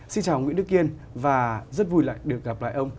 xin chào ông nguyễn đức kiên và rất vui được gặp lại ông